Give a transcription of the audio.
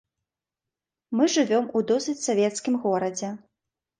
Мы жывём у досыць савецкім горадзе.